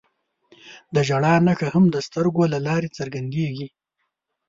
د ژړا نښه هم د سترګو له لارې څرګندېږي